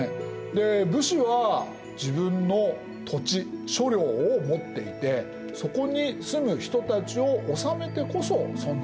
で武士は自分の土地所領を持っていてそこに住む人たちを治めてこそ存在意義があるわけです。